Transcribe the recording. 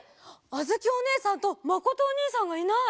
あづきおねえさんとまことおにいさんがいない！